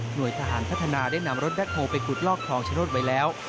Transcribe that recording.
โดยทหารพัฒนาได้นำรถแบ็คโฮลไปขุดลอกคลองชโนธไว้แล้ว